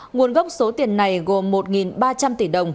nguồn gốc số tiền này gồm một ba trăm linh tỷ đồng